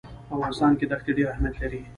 په افغانستان کې دښتې ډېر اهمیت لري.